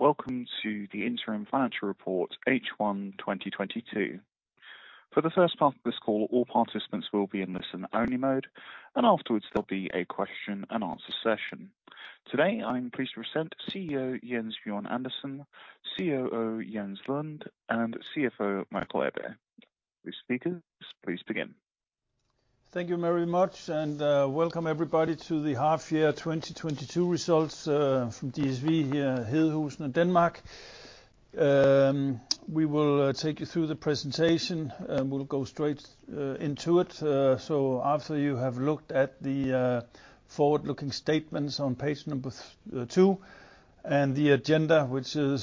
Welcome to the interim financial report H1 2022. For the first part of this call, all participants will be in listen-only mode, and afterwards there'll be a question-and-answer session. Today, I'm pleased to present CEO Jens Bjørn Andersen, COO Jens Lund, and CFO Michael Ebbe. Please, speakers, please begin. Thank you very much, and welcome everybody to the half year 2022 results from DSV here at Hedehusene in Denmark. We will take you through the presentation, and we'll go straight into it. After you have looked at the forward-looking statements on page two, and the agenda, which is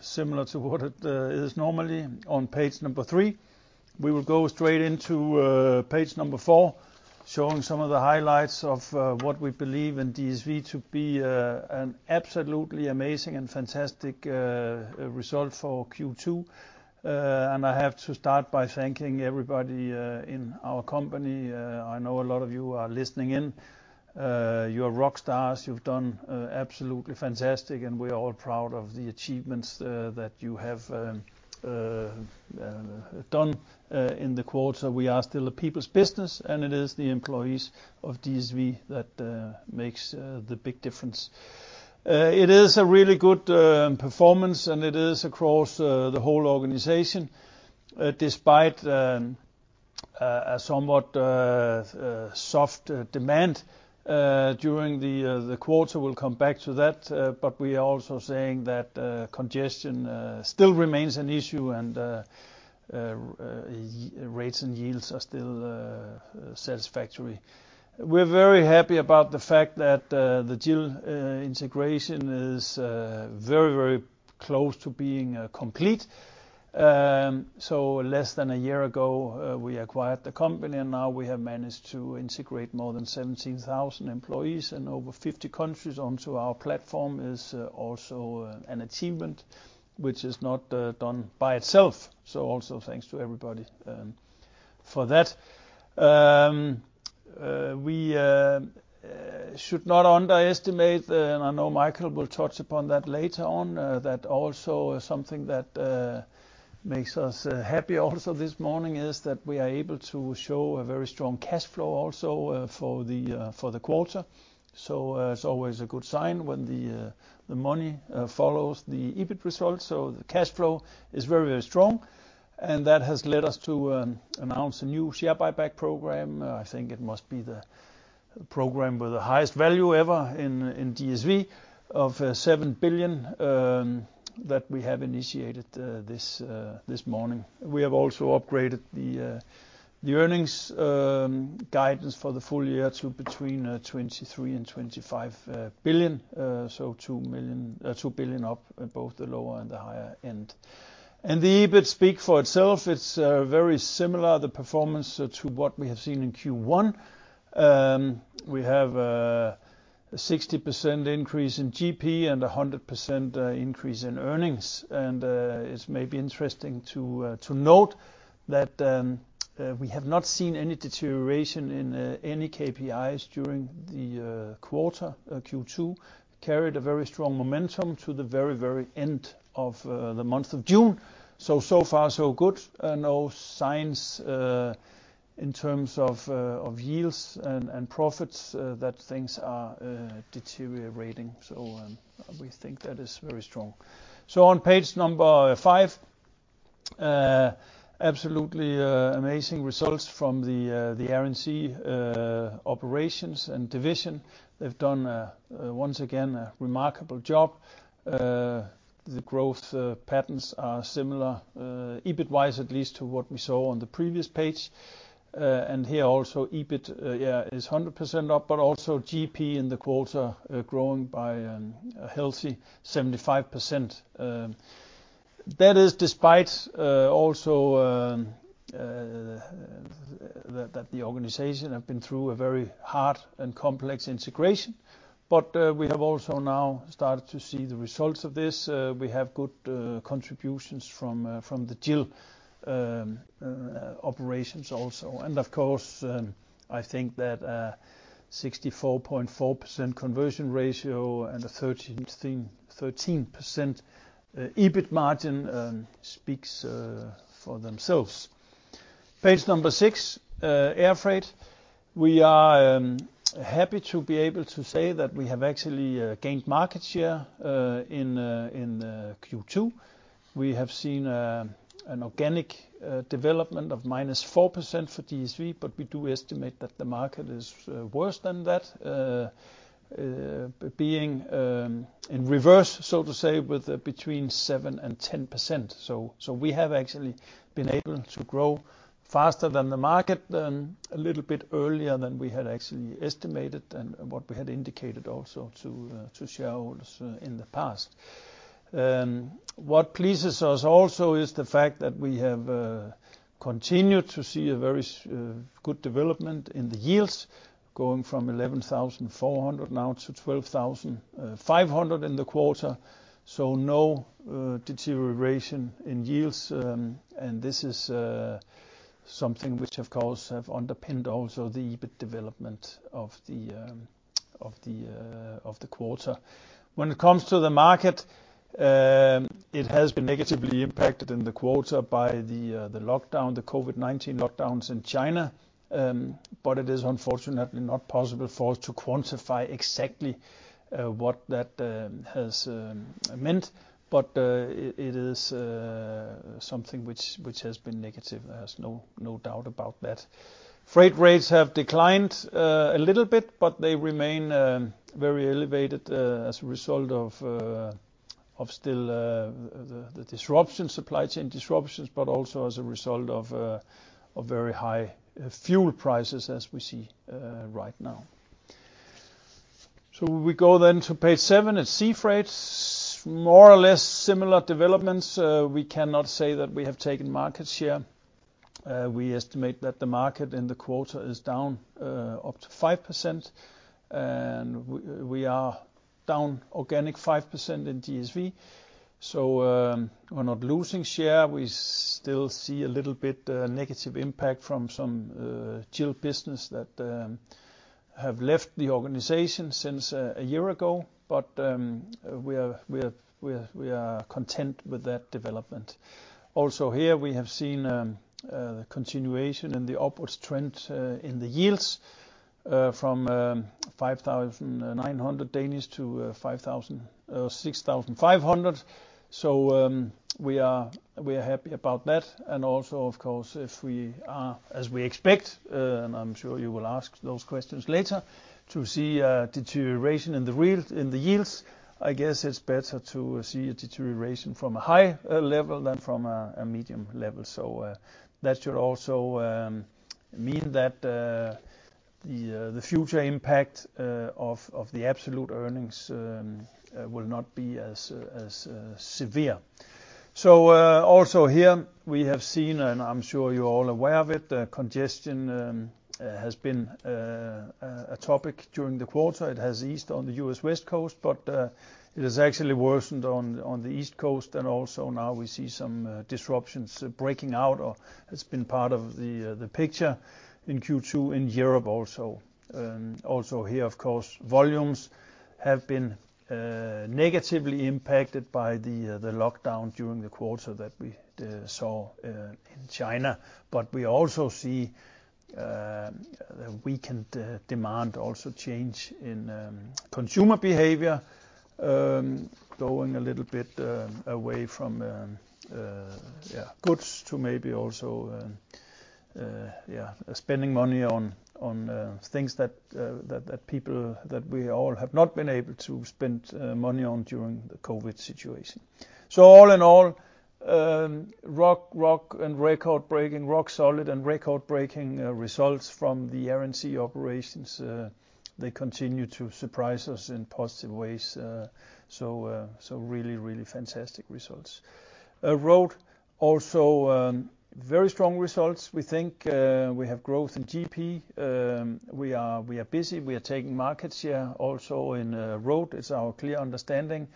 similar to what it is normally on page three, we will go straight into page four, showing some of the highlights of what we believe in DSV to be an absolutely amazing and fantastic result for Q2. I have to start by thanking everybody in our company. I know a lot of you are listening in. You are rock stars. You've done absolutely fantastic, and we are all proud of the achievements that you have done in the quarter. We are still a people's business, and it is the employees of DSV that makes the big difference. It is a really good performance, and it is across the whole organization, despite a somewhat soft demand during the quarter. We'll come back to that. We are also saying that congestion still remains an issue, and rates and yields are still satisfactory. We're very happy about the fact that the GIL integration is very, very close to being complete. Less than a year ago, we acquired the company, and now we have managed to integrate more than 17,000 employees in over 50 countries onto our platform, also an achievement which is not done by itself. Also, thanks to everybody for that. We should not underestimate, and I know Michael will touch upon that later on, that also something, that makes us happy also this morning is that we are able to show a very strong cash flow also for the quarter. It's always a good sign when the money follows the EBIT results. The cash flow is very, very strong, and that has led us to announce a new share buyback program. I think it must be the program with the highest value ever in DSV of 7 billion, that we have initiated this morning. We have also upgraded the earnings guidance for the full year to between 23 billion and 25 billion, so 2 billion up at both the lower and the higher end. The EBIT speak for itself. It's very similar, the performance, to what we have seen in Q1. We have a 60% increase in GP, and a 100% increase in earnings. It's maybe interesting to note that we have not seen any deterioration in any KPIs during the quarter. Q2 carried a very strong momentum to the end of the month of June. So far so good. No signs in terms of yields and profits that things are deteriorating. We think that is very strong. On page number five, absolutely amazing results from the Air & Sea operations and division. They've done once again a remarkable job. The growth patterns are similar EBIT-wise at least to what we saw on the previous page. Here also EBIT yeah is 100% up, but also GP in the quarter growing by a healthy 75%. That is despite also, that the organization have been through a very hard and complex integration. We have also now started to see the results of this. We have good contributions from the GIL operations also. Of course, I think that 64.4% conversion ratio, and a 13% EBIT margin speaks for themselves. Page six, air freight. We are happy to be able to say that we have actually gained market share in Q2. We have seen an organic development of -4% for DSV, but we do estimate that the market is worse than that, being in reverse, so to say, with between 7% and 10%. We have actually been able to grow faster than the market, and a little bit earlier than we had actually estimated and what we had indicated also to shareholders in the past. What pleases us also is the fact that we have, continued to see a very good development in the yields going from 11,400 now to 12,500 in the quarter, so no deterioration in yields. This is something which, of course, have underpinned also the EBIT development of the quarter. When it comes to the market, it has been negatively impacted in the quarter by the lockdown, the COVID-19 lockdowns in China. It is unfortunately not possible for us to quantify exactly what that has meant. It is something which has been negative, there's no doubt about that. Freight rates have declined a little bit, but they remain very elevated as a result of still the disruption, supply chain disruptions, but also as a result of very high fuel prices as we see right now. We go then to page seven at Sea Freight. More or less similar developments. We cannot say that we have taken market share. We estimate that the market in the quarter is down up to 5%. We are down organic 5% in DSV. We're not losing share. We still see a little bit negative impact from some GIL business that, have left the organization since a year ago. We are content with that development. Here we have seen the continuation in the upward trend in the yields, from 5,900-6,500. We are happy about that. Of course, if we are, as we expect, and I'm sure you will ask those questions later, to see a deterioration in the yields, I guess it's better to see a deterioration from a high level than from a medium level. That should also mean that, the future impact of the absolute earnings will not be as severe. Also here we have seen, and I'm sure you're all aware of it, the congestion has been a topic during the quarter. It has eased on the U.S. West Coast, but it has actually worsened on the East Coast. Also now we see some disruptions breaking out or has been part of the picture in Q2 in Europe also. Also here, of course, volumes have been negatively impacted by the lockdown during the quarter that we saw in China. We also see the weakened demand, also a change in consumer behavior, going a little bit away, from goods to maybe also spending money on things that people that we all have not been able to spend money on during the COVID situation. All in all, rock solid and record-breaking results from the Air & Sea operations. They continue to surprise us in positive ways. Really fantastic results. Road also very strong results, we think. We have growth in GP. We are busy. We are taking market share also in Road. It's our clear understanding.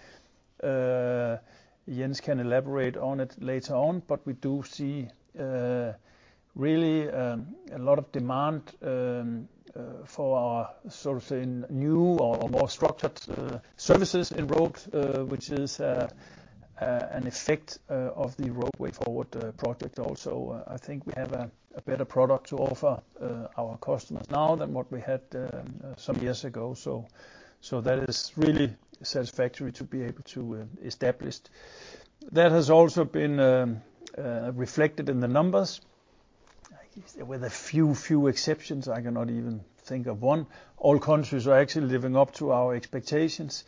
Jens can elaborate on it later on, but we do see really a lot of demand for our, so to say, new or more structured services in Road, which is an effect of the Road Way Forward project also. I think we have a better product to offer our customers now than what we had some years ago. That is really satisfactory to be able to establish. That has also been reflected in the numbers. With a few exceptions, I cannot even think of one. All countries are actually living up to our expectations.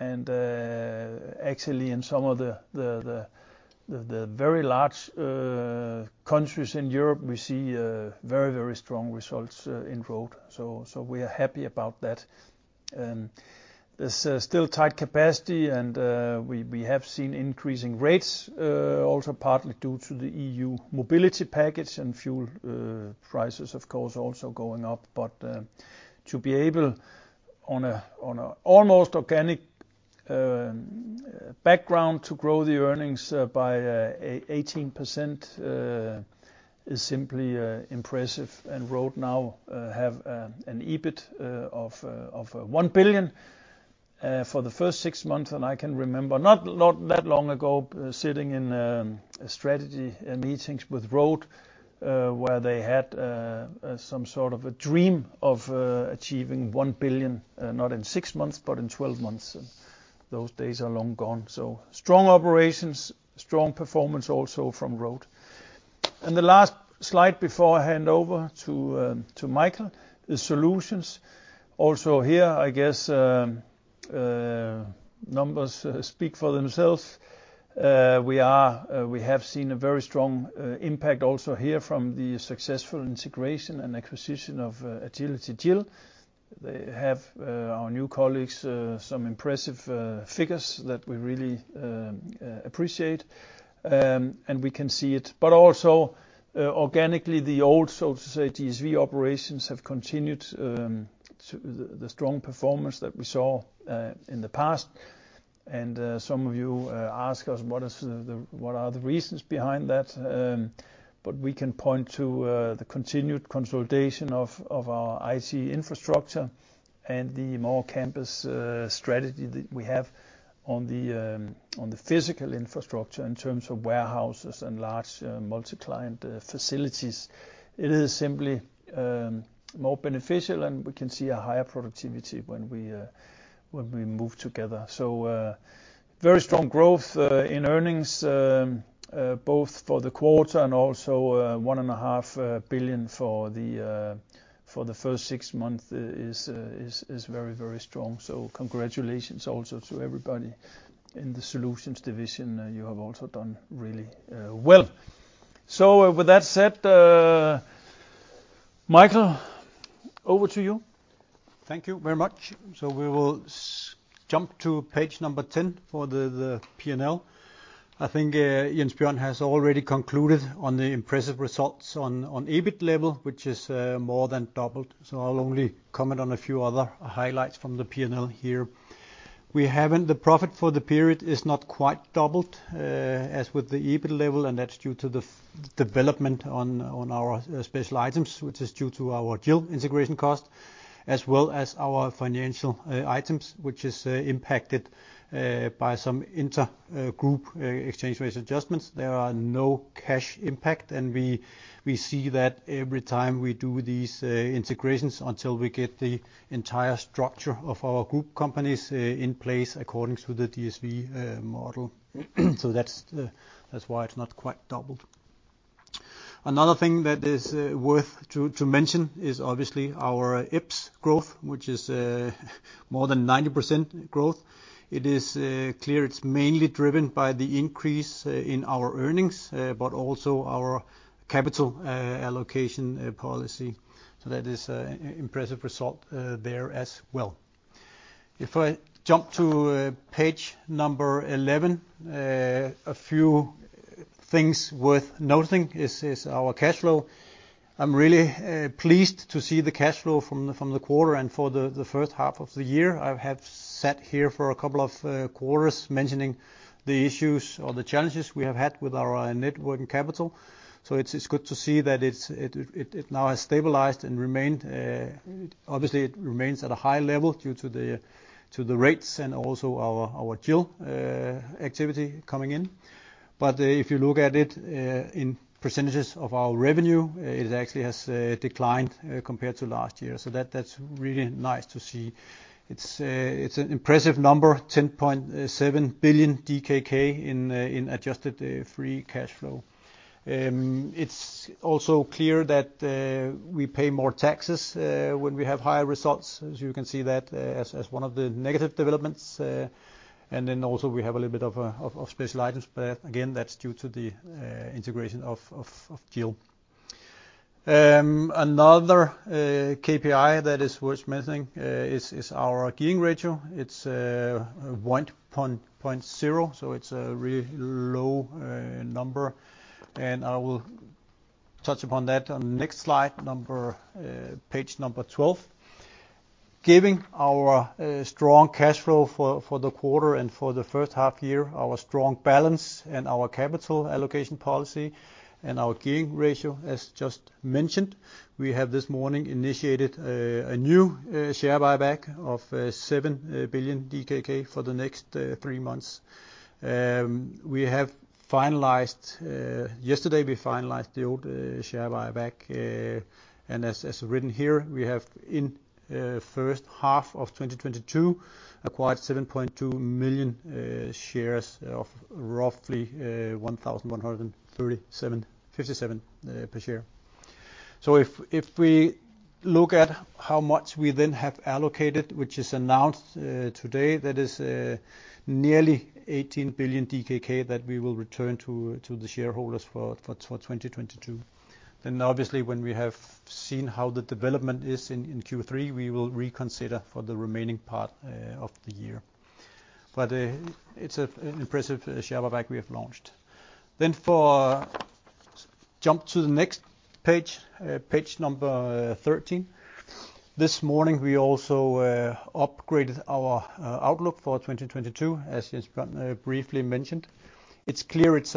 Actually in some of the very large countries in Europe, we see very strong results in Road. We are happy about that. There's still tight capacity and we have seen increasing rates, also partly due to the EU Mobility Package and fuel prices, of course, also going up. To be able on a almost organic, background to grow the earnings by 18%, is simply impressive. Road now have an EBIT of 1 billion for the first six months. I can remember not that long ago sitting in strategy meetings with Road, where they had some sort of a dream of achieving 1 billion, not in six months, but in 12 months. Those days are long gone. Strong operations, strong performance also from Road. The last slide before I hand over to Michael is Solutions. Also here, I guess, numbers speak for themselves. We have seen a very strong impact also here from the successful integration and acquisition of Agility GIL. They have our new colleagues some impressive figures that we really appreciate. We can see it. But also, organically, the old, so to say, DSV operations have continued to the strong performance that we saw in the past. Some of you ask us what are the reasons behind that, but we can point to the continued consolidation of our IT infrastructure, and the more campus strategy that we have on the physical infrastructure in terms of warehouses and large multi-client facilities. It is simply more beneficial, and we can see a higher productivity when we move together. Very strong growth in earnings, both for the quarter and also 1.5 billion for the first six months is very, very strong. Congratulations also to everybody in the Solutions division. You have also done really well. With that said, Michael, over to you. Thank you very much. We will jump to page number 10 for the P&L. I think Jens Bjørn has already concluded on the impressive results on EBIT level, which is more than doubled, so I'll only comment on a few other highlights from the P&L here. The profit for the period is not quite doubled, as with the EBIT level, and that's due to the development on our special items, which is due to our GIL integration cost, as well as our financial items, which is impacted by some intergroup exchange rate adjustments. There are no cash impact, and we see that every time we do these integrations until we get the entire structure of our group companies in place according to the DSV model. That's why it's not quite doubled. Another thing that is worth mentioning is obviously our EPS growth, which is more than 90% growth. It is clear it's mainly driven by the increase in our earnings, but also our capital allocation policy. That is an impressive result there as well. If I jump to page 11, a few things worth noting is our cash flow. I'm really pleased to see the cash flow from the quarter and for the first half of the year. I have sat here for a couple of quarters mentioning the issues or the challenges we have had with our network and capital. It's good to see that it now has stabilized and remained. Obviously it remains at a high level due to the rates and also our GIL activity coming in. If you look at it in percentages of our revenue, it actually has declined compared to last year. That's really nice to see. It's an impressive number, 10.7 billion DKK in adjusted free cash flow. It's also clear that we pay more taxes when we have higher results, as you can see that as one of the negative developments, and then also we have a little bit of special items, but again, that's due to the integration of GIL. Another KPI that is worth mentioning is our gearing ratio. It's 1.0, so it's a really low number, and I will touch upon that on next slide, number page number 12. Giving our strong cash flow for the quarter and for the first half year, our strong balance sheet and our capital allocation policy, and our gearing ratio as just mentioned, we have this morning initiated a new share buyback of 7 billion DKK for the next three months. Yesterday we finalized the old share buyback, and as written here, we have in first half of 2022 acquired 7.2 million shares of roughly 1,137.57 per share. If we look at how much we then have allocated, which is announced today, that is nearly 18 billion DKK that we will return to the shareholders for 2022. Obviously when we have seen how the development is in Q3, we will reconsider for the remaining part of the year. It's an impressive share buyback we have launched. For. Jump to the next page number 13. This morning we also upgraded our outlook for 2022, as Jens Bjørn briefly mentioned. It's clear it's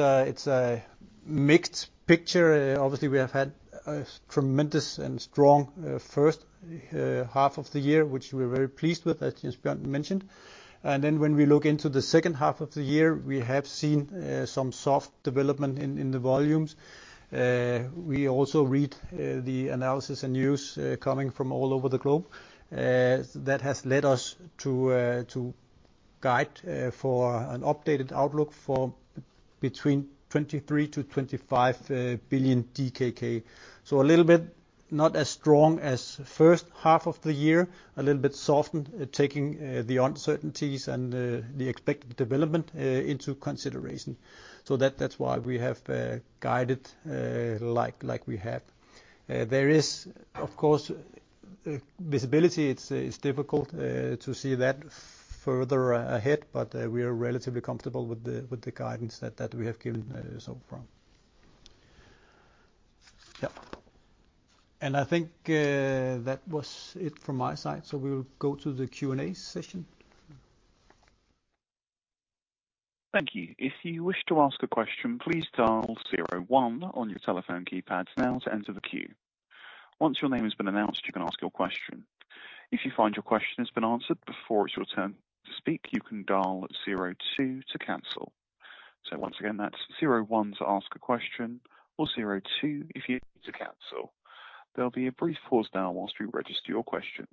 a mixed picture. Obviously, we have had a tremendous and strong first half of the year, which we're very pleased with, as Jens Bjørn mentioned. When we look into the second half of the year, we have seen some soft development in the volumes. We also read the analysis and news coming from all over the globe that has led us, to guide for an updated outlook for between 23 billion-25 billion DKK. A little bit not as strong as first half of the year, a little bit softened, taking the uncertainties and the expected development into consideration. That, that's why we have guided like we have. There is, of course, visibility, it's difficult to see that further ahead, but we are relatively comfortable with the guidance that we have given so far. Yeah. I think that was it from my side, so we'll go to the Q&A session. Thank you. If you wish to ask a question, please dial zero one on your telephone keypad now to enter the queue. Once your name has been announced, you can ask your question. If you find your question has been answered before it's your turn to speak, you can dial zero two to cancel. Once again, that's zero one to ask a question, or zero two if you need to cancel. There'll be a brief pause now while we register your questions.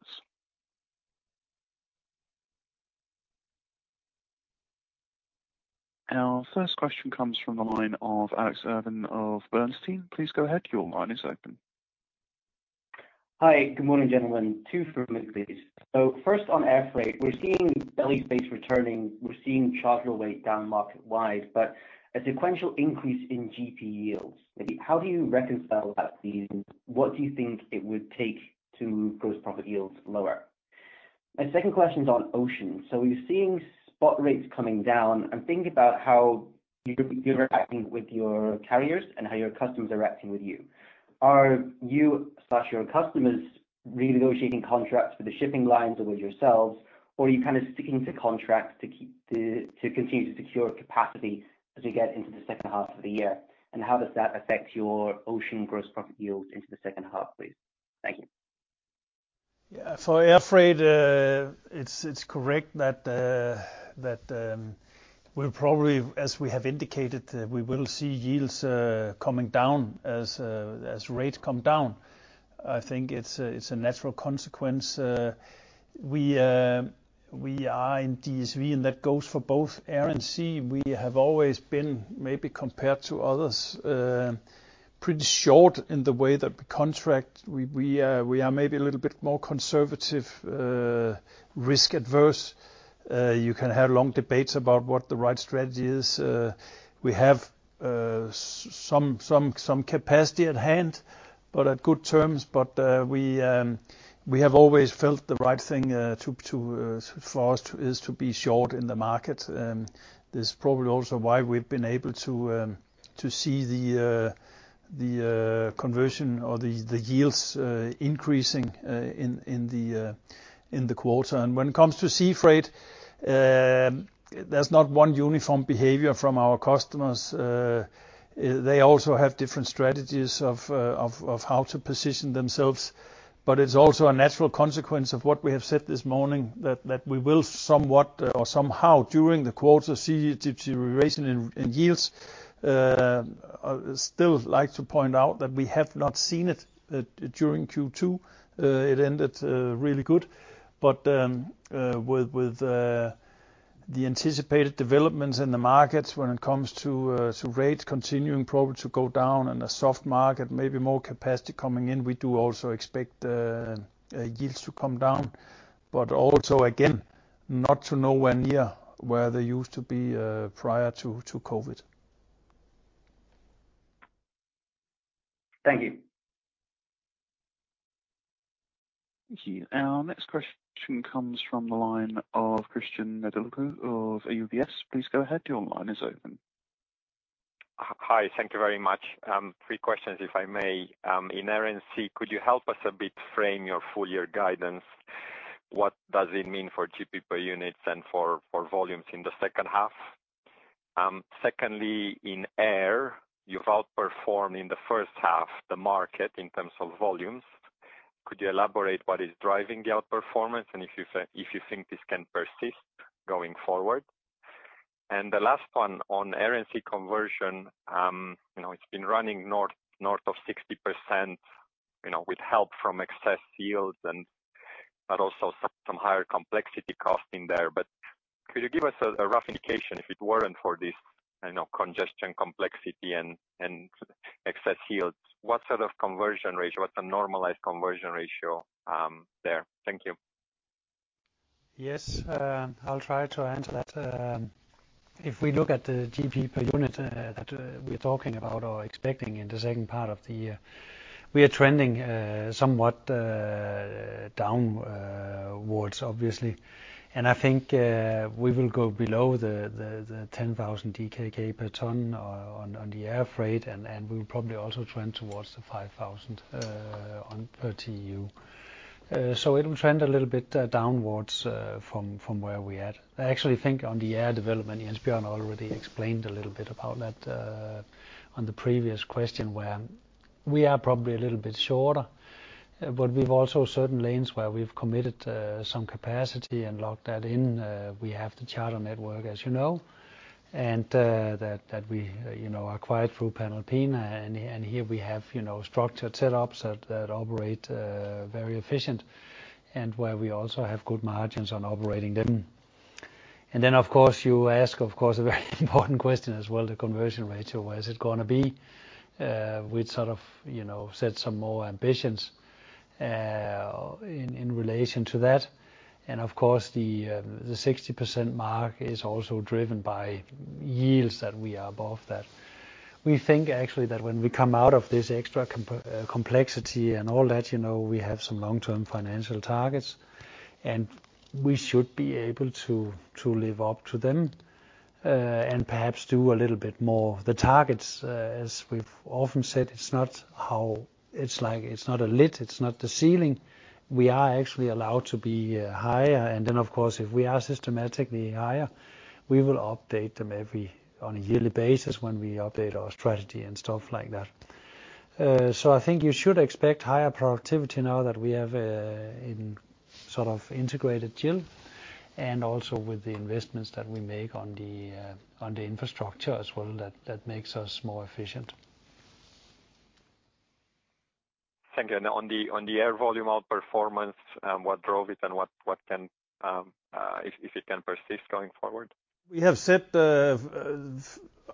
Our first question comes from the line of Alex Irving of Bernstein. Please go ahead, your line is open. Hi. Good morning, gentlemen. Two from me please. First on air freight. We're seeing belly space returning, we're seeing chargeable weight down market-wide, but a sequential increase in GP yields. Maybe how do you reconcile that seasonally? What do you think it would take to gross profit yields lower? My second question's on ocean. We're seeing spot rates coming down. I'm thinking about how you're interacting with your carriers and how your customers are acting with you. Are you or your customers renegotiating contracts with the shipping lines or with yourselves, or are you kind of sticking to contracts to keep the, to continue to secure capacity as we get into the second half of the year? And how does that affect your ocean gross profit yields into the second half, please? Thank you. Yeah. For air freight, it's correct that we'll probably, as we have indicated, we will see yields coming down as rates come down. I think it's a natural consequence. We are in DSV, and that goes for both air and sea. We have always been, maybe compared to others pretty short in the way that we contract. We are maybe a little bit more conservative, risk averse. You can have long debates about what the right strategy is. We have some capacity at hand, but at good terms. We have always felt the right thing for us to do is to be short in the market. This is probably also why we've been able to see the conversion or the yields increasing in the quarter. When it comes to sea freight, there's not one uniform behavior from our customers. They also have different strategies of how to position themselves. It's also a natural consequence of what we have said this morning, that we will somewhat or somehow during the quarter see deterioration in yields. I still like to point out that we have not seen it during Q2. It ended really good. With the anticipated developments in the markets when it comes to rates continuing probably to go down and a soft market, maybe more capacity coming in, we do also expect yields to come down. Again, not to nowhere near where they used to be prior to COVID. Thank you. Thank you. Our next question comes from the line of Christian Nedelcu of UBS. Please go ahead, your line is open. Hi. Thank you very much. Three questions if I may. In Air & Sea, could you help us a bit frame your full year guidance? What does it mean for GP per units and for volumes in the second half? Secondly, in air, you've outperformed in the first half the market in terms of volumes. Could you elaborate what is driving the outperformance, and if you think this can persist going forward? The last one on Air & Sea conversion, you know, it's been running north of 60%, you know, with help from excess yields and, but also some higher complexity costing there. But could you give us a rough indication if it weren't for this, you know, congestion complexity and excess yields, what sort of conversion ratio, what's the normalized conversion ratio, there? Thank you. Yes. I'll try to answer that. If we look at the GP per unit that we're talking about or expecting in the second part of the year, we are trending somewhat downwards obviously. I think we will go below the 10,000 DKK per ton on the air freight, and we will probably also trend towards the 5,000 DKK per TU. It will trend a little bit downwards from where we at. I actually think on the air development, Jens Bjørn already explained a little bit about that on the previous question, where we are probably a little bit shorter. We've also certain lanes where we've committed some capacity and locked that in. We have the charter network, as you know, and that we, you know, acquired through Panalpina, and here we have, you know, structured setups that operate very efficient and where we also have good margins on operating them. Then, of course, you ask, of course, a very important question as well, the conversion ratio, where is it gonna be? We'd sort of, you know, set some more ambitions in relation to that. Of course, the 60% mark is also driven by, yields that we are above that. We think actually that when we come out of this extra complexity and all that, you know, we have some long-term financial targets. We should be able to live up to them and perhaps do a little bit more. The targets, as we've often said, it's like, it's not a limit, it's not the ceiling. We are actually allowed to be higher. Then of course, if we are systematically higher, we will update them every, on a yearly basis when we update our strategy and stuff like that. I think you should expect higher productivity now that we have, a sort of integrated GIL. Also with the investments that we make on the infrastructure as well, that makes us more efficient. Thank you. On the air volume outperformance, what drove it and what can if it can persist going forward? We have said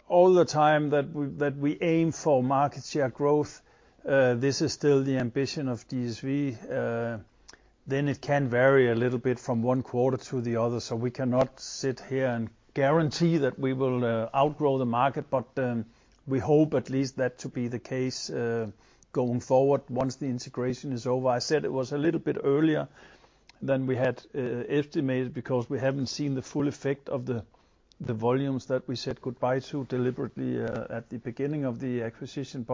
all the time that we aim for market share growth. This is still the ambition of DSV. It can vary a little bit from one quarter to the other, so we cannot sit here and guarantee that we will outgrow the market. We hope at least that to be the case, going forward once the integration is over. I said it was a little bit earlier than we had estimated because we haven't seen the full effect, of the volumes that we said goodbye to deliberately at the beginning of the acquisition.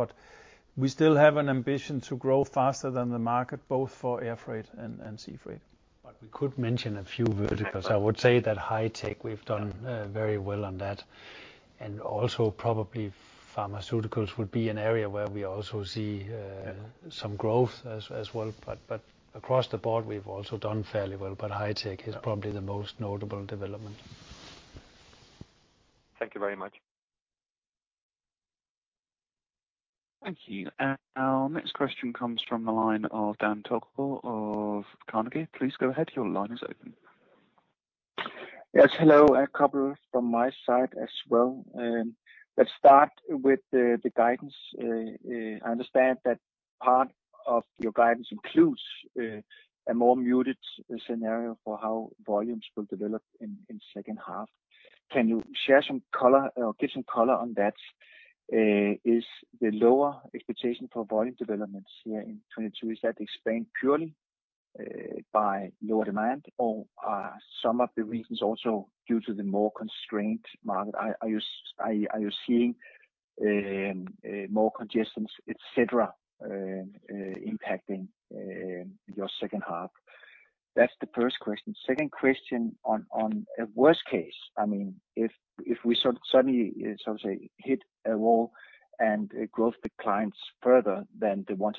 We still have an ambition to grow faster than the market, both for air freight and sea freight. We could mention a few verticals. Exactly. I would say that high tech, we've done very well on that. Also probably pharmaceuticals would be an area where we also see. Yeah Some growth as well. Across the board, we've also done fairly well. High tech is probably the most notable development. Thank you very much. Thank you. Our next question comes from the line of Dan Tökeberg of Carnegie. Please go ahead, your line is open. Yes, hello. A couple from my side as well. Let's start with the guidance. I understand that part of your guidance includes, a more muted scenario for how volumes will develop in second half. Can you share some color or give some color on that? Is the lower expectation for volume developments here in 2022 explained purely, by lower demand? Or are some of the reasons also due to the more constrained market? Are you seeing more congestions, et cetera, impacting your second half? That's the first question. Second question on a worst case, I mean, if we sort of suddenly sort of say hit a wall and growth declines further than the 1%-3%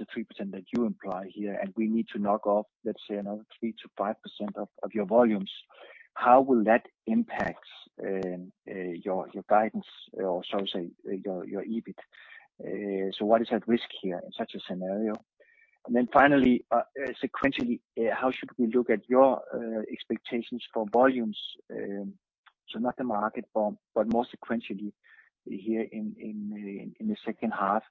that you imply here, and we need to knock off, let's say another 3%-5% of your volumes, how will that impact your guidance or shall we say your EBIT? What is at risk here in such a scenario? Finally, sequentially, how should we look at your expectations for volumes? Not the market but more sequentially here in the second half.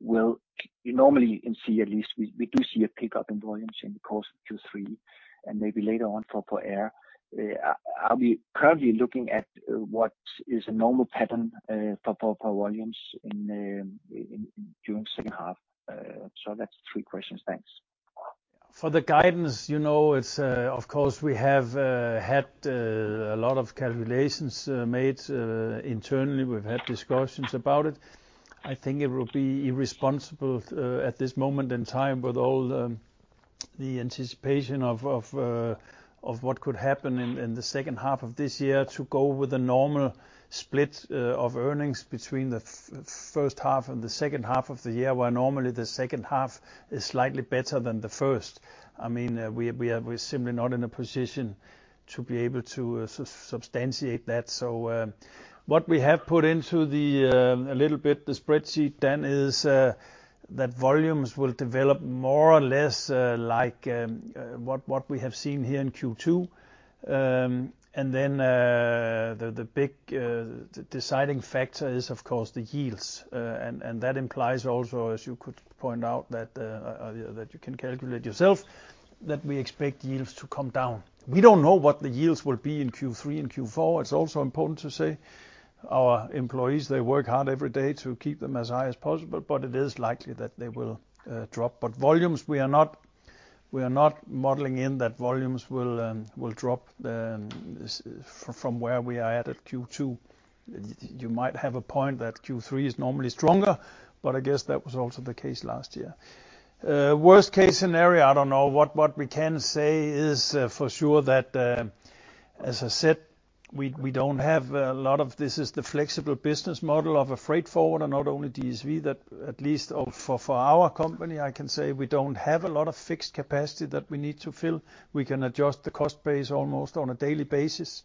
You normally can see at least, we do see a pickup in volumes in quarter two to three, and maybe later on for air. Are we currently looking at what is a normal pattern for volumes in during second half? That's three questions. Thanks. For the guidance, you know, it's of course we have had a lot of calculations made internally. We've had discussions about it. I think it would be irresponsible at this moment in time, with all the anticipation of what could happen in the second half of this year, to go with a normal split of earnings between the first half and the second half of the year, where normally the second half is slightly better than the first. I mean, we're simply not in a position to be able to substantiate that. What we have put into the spreadsheet a little bit then is that volumes will develop more or less like what we have seen here in Q2. The big deciding factor is of course the yields. That implies also, as you could point out, that you can calculate yourself, that we expect yields to come down. We don't know what the yields will be in Q3 and Q4. It's also important to say our employees, they work hard every day to keep them as high as possible, but it is likely that they will drop. Volumes, we are not modeling in that volumes will drop from where we are at Q2. You might have a point that Q3 is normally stronger, but I guess that was also the case last year. Worst case scenario, I don't know. What we can say is, for sure that, as I said, this is the flexible business model of a freight forwarder, not only DSV. That at least for our company, I can say we don't have a lot of fixed capacity that we need to fill. We can adjust the cost base almost on a daily basis.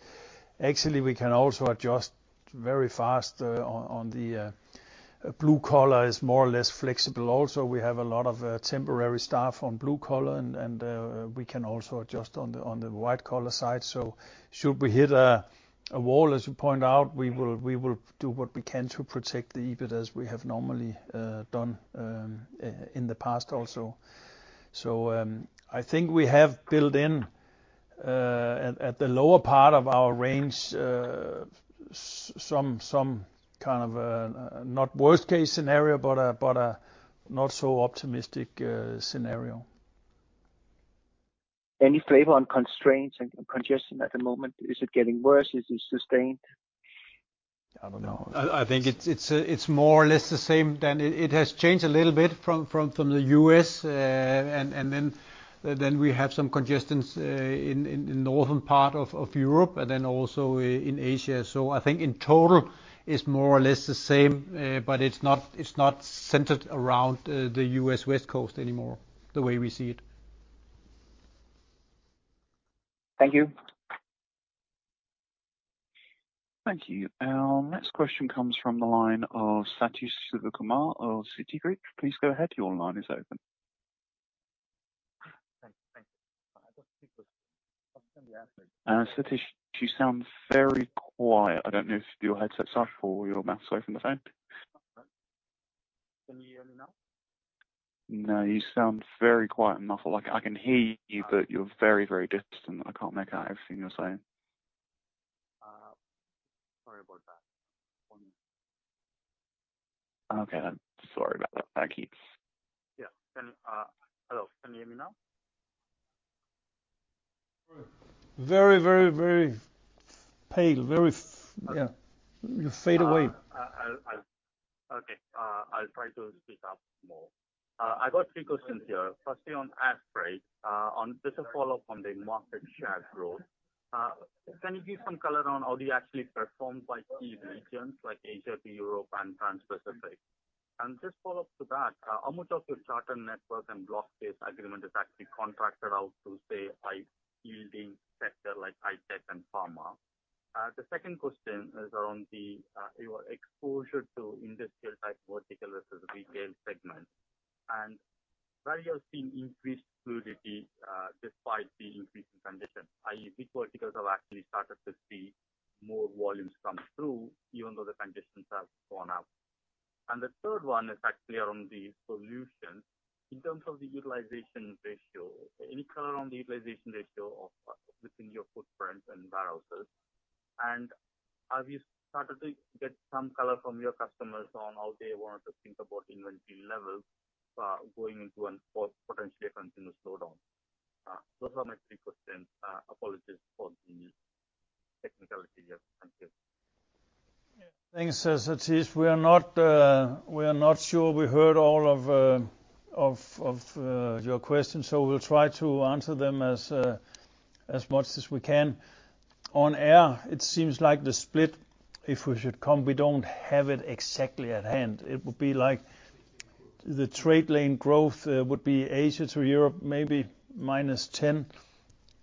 Actually, we can also adjust very fast on the blue collar is more or less flexible also. We have a lot of temporary staff on blue collar, and we can also adjust on the white collar side. Should we hit a wall, as you point out, we will do what we can to protect the EBIT as we have normally done in the past also. I think we have built in, at the lower part of our range, some kind of not worst-case scenario, but a not so optimistic scenario. Any flavor on constraints and congestion at the moment? Is it getting worse? Is it sustained? I don't know. I think it's more or less the same than. It has changed a little bit from the U.S., and then we have some congestions in northern part of Europe and then also in Asia. I think in total it's more or less the same, but it's not centered around the U.S. West Coast anymore, the way we see it. Thank you. Thank you. Our next question comes from the line of Sathish Sivakumar of Citigroup. Please go ahead, your line is open. Thanks. Thank you. I've got three questions. Sathish, you sound very quiet. I don't know if your headset's off or your mouth's away from the phone. Can you hear me now? No, you sound very quiet and muffled. Like, I can hear you, but you're very, very distant, and I can't make out everything you're saying. Sorry about that. One minute. Okay then. Sorry about that. Thank you. Hello, can you hear me now? Very pale. Yeah. You fade away. I'll try to speak up more. I got three questions here. Firstly, on air freight. Just a follow-up on the market share growth. Can you give some color on how you actually performed by key regions like Asia to Europe and Transpacific? Just follow up to that, how much of your charter network and block space agreement is actually contracted out to, say, high-yielding sector like high-tech and pharma? The second question is around your exposure to industrial type vertical versus retail segment, where you have seen increased fluidity despite the increasing conditions, i.e., which verticals have actually started to see more volumes come through, even though the conditions have gone up? The third one is actually around the Solutions. In terms of the utilization ratio, any color on the utilization ratio of, within your footprint and warehouses? Have you started to get some color from your customers on how they want to think about inventory levels, going into and for potentially a continuous slowdown? Those are my three questions. Apologies for the technicality here. Thank you. Yeah. Thanks, Sathish. We are not sure we heard all of your questions, so we'll try to answer them as much as we can. On air, it seems like the split, if we should come, we don't have it exactly at hand. It would be like the trade lane growth would be Asia to Europe maybe -10%,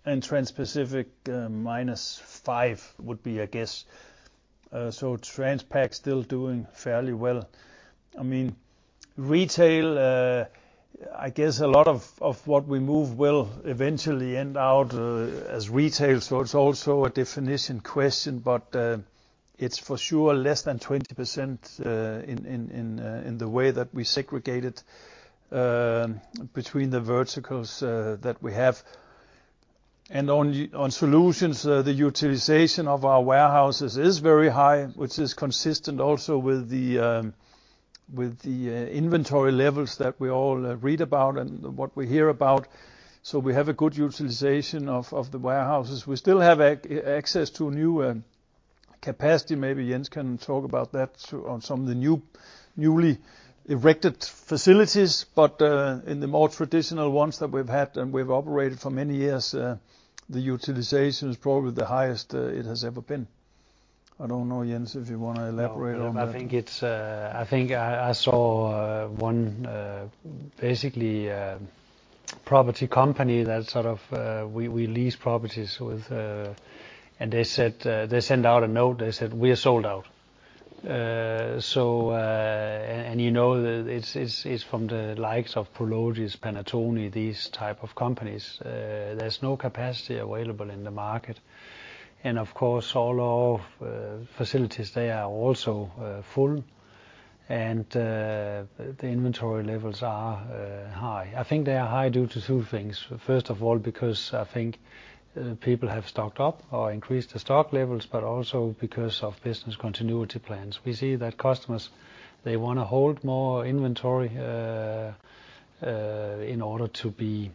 and Transpacific minus five would be a guess. So Transpac still doing fairly well. I mean, retail, I guess a lot of what we move will eventually end up as retail, so it's also a definition question. It's for sure less than 20%, in the way that we segregate it between the verticals that we have. On Solutions, the utilization of our warehouses is very high, which is consistent also with the, inventory levels that we all read about and what we hear about. We have a good utilization of the warehouses. We still have access to new capacity. Maybe Jens can talk about that too, on some of the new, newly erected facilities. In the more traditional ones that we've had and we've operated for many years, the utilization is probably the highest it has ever been. I don't know, Jens, if you wanna elaborate on that. No, I think I saw one basically, property company that sort of we lease properties with. They sent out a note, they said, "We are sold out." So you know that it's from the likes of Prologis, Panattoni, these type of companies. There's no capacity available in the market. Of course all our facilities there are also full and the inventory levels are high. I think they are high due to two things. First of all because I think, people have stocked up or increased the stock levels, but also because of business continuity plans. We see that customers, they wanna hold more inventory, in order to be,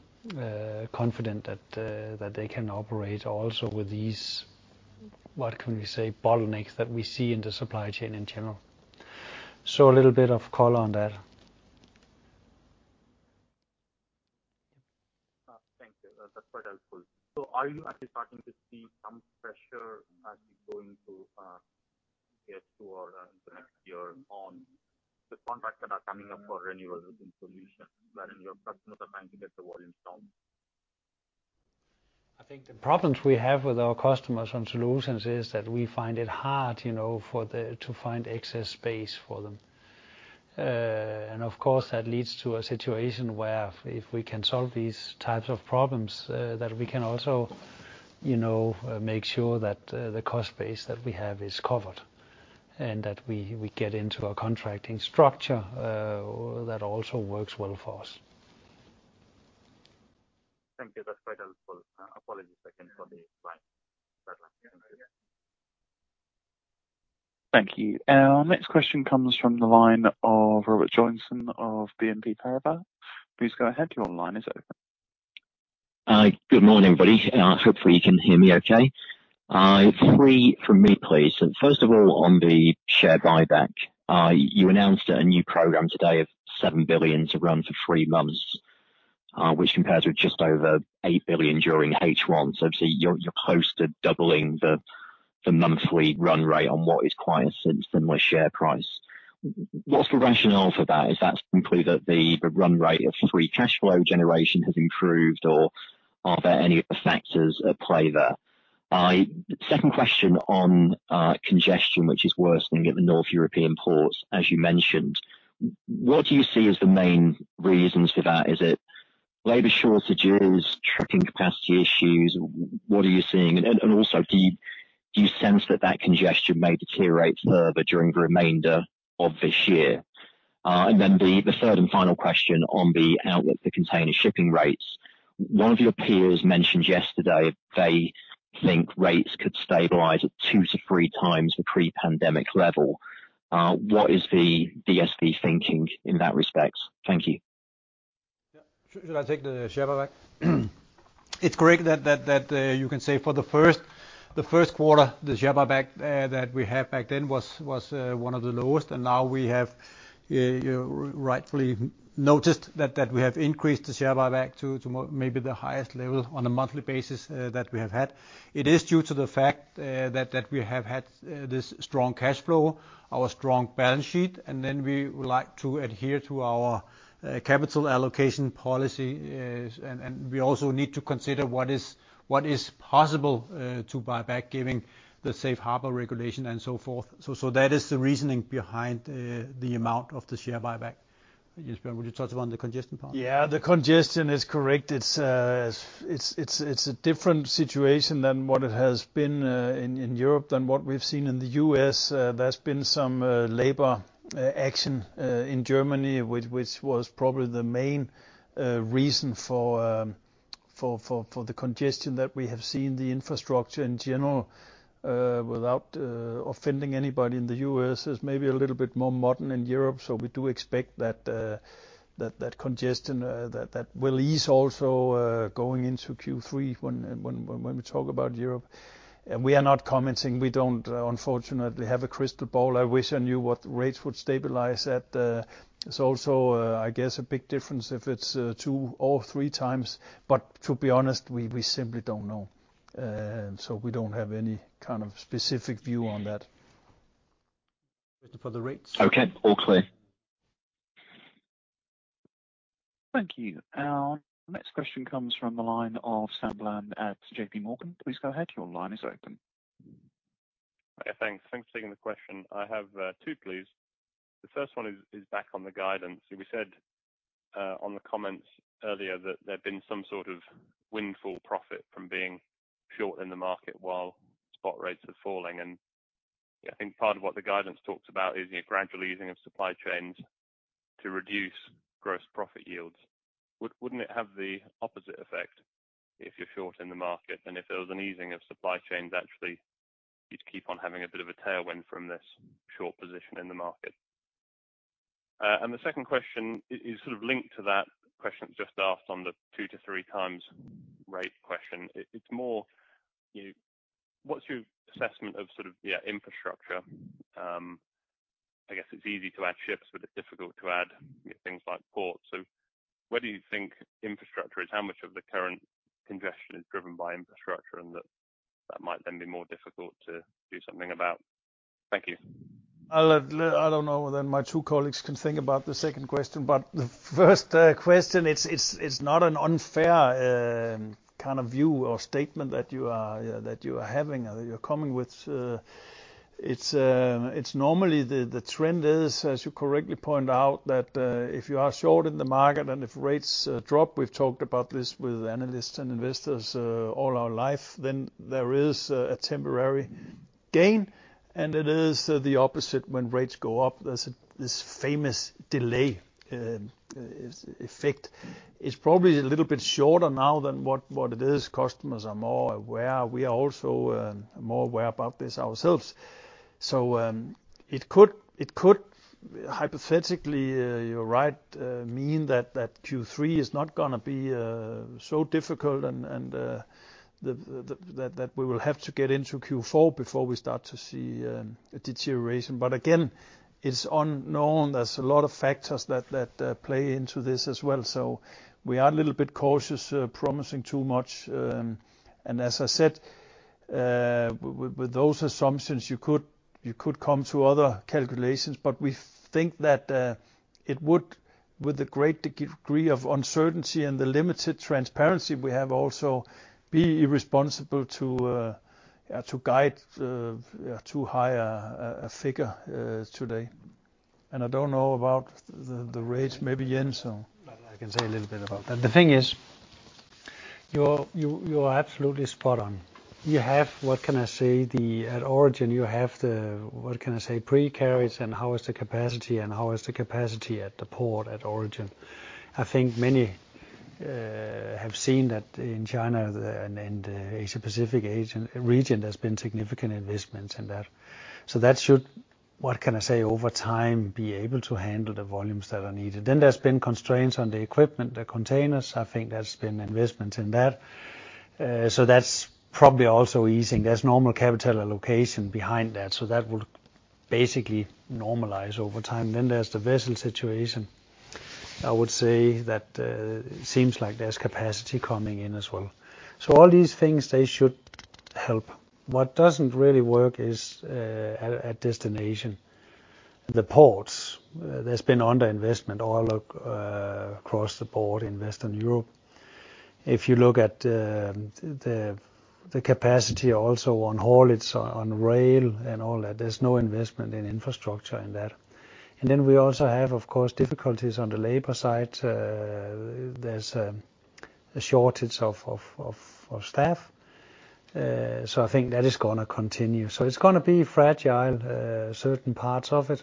confident that they can operate also with these, what can we say, bottlenecks that we see in the supply chain in general. A little bit of color on that. Thank you. That's quite helpful. Are you actually starting to see some pressure as you're going to get toward the next year on the contracts that are coming up for renewal within Solutions wherein your customers are trying to get the volumes down? I think the problems we have with our customers on Solutions is that we find it hard, you know, to find excess space for them. Of course that leads to a situation where, if we can solve these types of problems, that we can also, you know, make sure that the cost base that we have is covered, and that we get into a contracting structure that also works well for us. Thank you. That's quite helpful. Apologies again for the line. Bye-bye. Thank you. Thank you. Our next question comes from the line of Robert Joynson of BNP Paribas. Please go ahead, your line is open. Good morning, everybody. Hopefully you can hear me okay. Three from me, please. First of all, on the share buyback, you announced a new program today of 7 billion to run for three months, which compares with just over 8 billion during H1. Obviously, you're posting doubling the monthly run rate on what is quite a similar share price. What's the rationale for that? Is that simply that the run rate of free cash flow generation has improved, or are there any other factors at play there? Second question on congestion, which is worsening at the North European ports, as you mentioned. What do you see as the main reasons for that? Is it labor shortages, trucking capacity issues? What are you seeing? Also, do you sense congestion may deteriorate further during the remainder of this year? The third and final question on the outlook for container shipping rates. One of your peers mentioned yesterday they think rates could stabilize at two to three times the pre-pandemic level. What is the DSV thinking in that respect? Thank you. Yeah. Should I take the share buyback? It's correct that you can say for the first quarter, the share buyback that we had back then was one of the lowest. Now we have rightfully noticed that we have increased the share buyback to maybe the highest level on a monthly basis that we have had. It is due to the fact that we have had this strong cash flow, our strong balance sheet, and then we would like to adhere to our capital allocation policy. And we also need to consider what is possible to buy back given the safe harbor regulation and so forth. That is the reasoning behind the amount of the share buyback. Jesper, would you talk about the congestion part? Yeah, the congestion is correct. It's a different situation than what it has been in Europe than what we've seen in the U.S. There's been some labor action in Germany, which was probably the main reason, for the congestion that we have seen. The infrastructure in general, without offending anybody in the U.S., is maybe a little bit more modern than Europe, so we do expect that congestion that will ease also going into Q3 when we talk about Europe. We are not commenting. We don't unfortunately have a crystal ball. I wish I knew what rates would stabilize at. It's also, I guess a big difference if it's two or three times. To be honest, we simply don't know. We don't have any kind of specific view on that. For the rates. Okay, all clear. Thank you. Our next question comes from the line of Sam Bland of JPMorgan. Please go ahead, your line is open. Okay, thanks. Thanks for taking the question. I have two, please. The first one is back on the guidance. You said on the comments earlier that there'd been some sort of, windfall profit from being short in the market while spot rates are falling. I think part of what the guidance talks about is the gradual easing of supply chains, to reduce gross profit yields. Wouldn't it have the opposite effect if you're short in the market, and if there was an easing of supply chains, actually you'd keep on having a bit of a tailwind from this short position in the market? The second question is sort of linked to that question just asked on the two to three times rate question. It's more, you know, what's your assessment of sort of, yeah, infrastructure? I guess it's easy to add ships, but it's difficult to add things like ports. Where do you think infrastructure is? How much of the current congestion is driven by infrastructure and that might then be more difficult to do something about? Thank you. I don't know whether my two colleagues can think about the second question, but the first question, it's not an unfair kind of view or statement that you are having, you're coming with. It's normally the trend is, as you correctly point out, that if you are short in the market and if rates drop, we've talked about this with analysts and investors all our life, then there is a temporary gain, and it is the opposite when rates go up. There's this famous delay effect. It's probably a little bit shorter now than what it is. Customers are more aware. We are also more aware about this ourselves. It could hypothetically, you're right, mean that Q3 is not gonna be so difficult, and that we will have to get into Q4 before we start to see a deterioration. Again, it's unknown. There's a lot of factors that play into this as well. We are a little bit cautious promising too much. As I said, with those assumptions, you could come to other calculations. We think that it would, with a great degree of uncertainty and the limited transparency we have also, be irresponsible to guide too high a figure today. I don't know about the rates, maybe Jens can. I can say a little bit about that. The thing is you're absolutely spot on. You have, what can I say, at origin you have the, what can I say, pre-carriage and how is the capacity and how is the capacity at the port at origin. I think many, have seen that in China and Asia-Pacific region, there's been significant investments in that. That should, what can I say, over time be able to handle the volumes that are needed. There's been constraints on the equipment, the containers. I think there's been investment in that. That's probably also easing. There's normal capital allocation behind that, so that will basically normalize over time. There's the vessel situation. I would say that it seems like there's capacity coming in as well. All these things, they should help. What doesn't really work is at destination, the ports. There's been underinvestment across the board in Western Europe. If you look at the capacity also on haulage, on rail and all that, there's no investment in infrastructure in that. We also have, of course, difficulties on the labor side. There's a shortage of staff. I think that is gonna continue. It's gonna be fragile, certain parts of it,